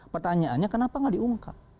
pertanyaannya kenapa nggak diungkap